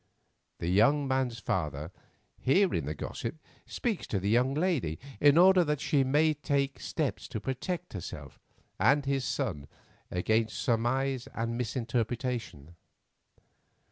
The young man's father, hearing the gossip, speaks to the young lady in order that she may take steps to protect herself and his son against surmise and misinterpretation.